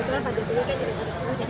jadi habis sholat dia langsung di sini